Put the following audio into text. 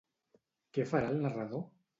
Què farà el narrador?